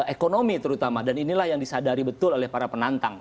ekonomi terutama dan inilah yang disadari betul oleh para penantang